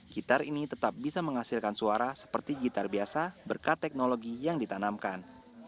gitar ini tetap bisa menghasilkan suara seperti gitar biasa berkat teknologi yang ditanamkan